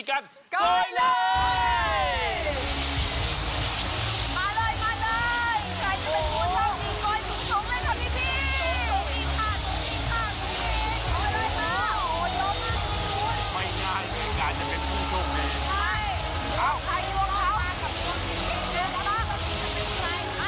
ไม่ง่ายเลยงานจะเป็นผู้ชมดี